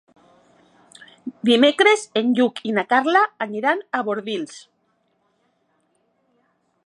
Dimecres en Lluc i na Carla aniran a Bordils.